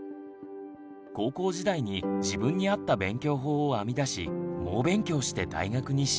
高校時代に自分に合った勉強法を編み出し猛勉強して大学に進学。